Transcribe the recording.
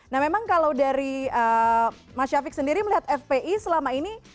nah memang kalau dari mas syafiq sendiri melihat fpi selama ini